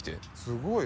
すごい。